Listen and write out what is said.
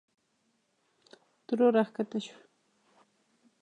ترور راکښته شوه.